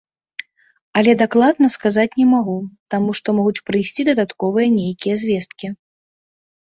Але дакладна сказаць не магу, таму што могуць прыйсці дадатковыя нейкія звесткі.